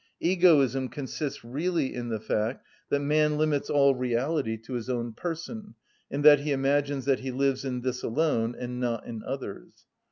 Egoism consists really in the fact that man limits all reality to his own person, in that he imagines that he lives in this alone and not in others.